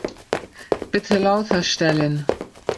Bitte lauter stellen.